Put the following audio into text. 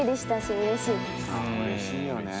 うれしいね。